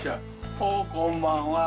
おー、こんばんは。